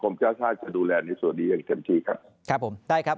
ผมเจ้าท่าจะดูแลในส่วนนี้อย่างเต็มที่ครับครับผมได้ครับ